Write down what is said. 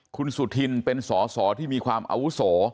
คุณสุธินเป็นสอสอที่มีความอาวุโส